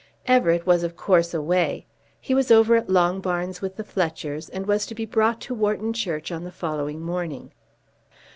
Everett was of course away. He was over at Longbarns with the Fletchers, and was to be brought to Wharton Church on the following morning.